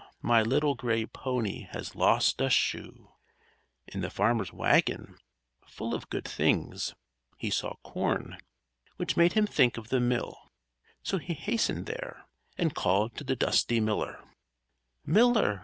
My little gray pony has lost a shoe_!" In the farmer's wagon, full of good things, he saw corn, which made him think of the mill; so he hastened there, and called to the dusty miller: "_Miller!